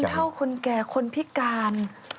เห็นคนเท่าคนแก่คนพิการ